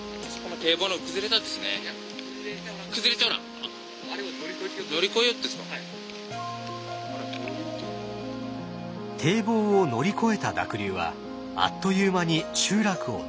堤防を乗り越えた濁流はあっという間に集落をのみ込みました。